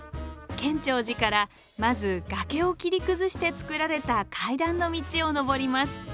建長寺からまず崖を切り崩して造られた階段の道を登ります。